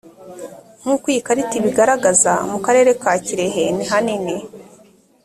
nkuko iyi karita ibigaragaza mu karere ka kirehe ni hanini